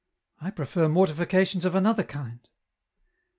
I prefer mortifications of another kind."